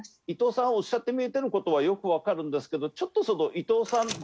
伊藤さんおっしゃってみえてる事はよくわかるんですけどちょっとその伊藤さん